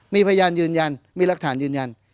มีพยานยืนยันมีรักฐานยืนยัน